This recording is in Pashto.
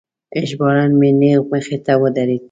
ژباړن مې نیغ مخې ته ودرید.